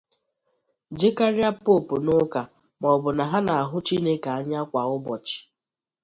jekarịa poopu n'ụka maọbụ na ha na-ahụzị Chineke anya kwa ụbọchị